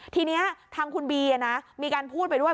ทีนี้ทางคุณบีมีการพูดไปด้วย